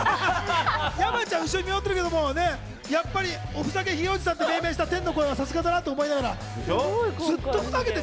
山ちゃん後ろで見守ってるけどもやっぱりおふざけヒゲおじさんって命名した天の声はさすがだなと思いながらずっとふざけてる。